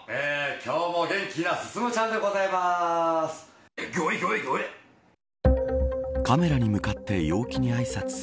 今日も元気な進ちゃんでございます。